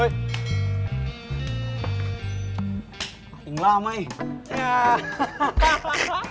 tinggal lama eh